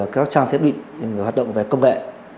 các trang thiết bị hoạt động về công vệ